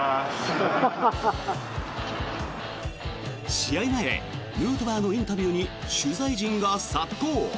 試合前ヌートバーのインタビューに取材陣が殺到。